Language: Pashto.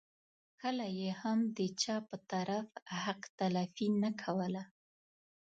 کله یې هم د چا په طرف حق تلفي نه کوله.